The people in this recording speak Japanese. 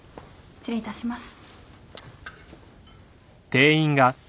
失礼いたします。